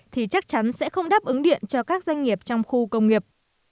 thì chắc chắn sẽ không đáp ứng điện cho các doanh nghiệp trong khu công nghiệp